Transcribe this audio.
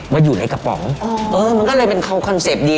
มาอยู่ในกระป๋องอ๋อเออมันก็เลยเป็นเขาคอนเซ็ปต์ดี